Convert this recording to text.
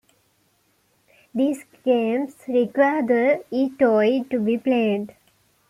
These games require the EyeToy to be played.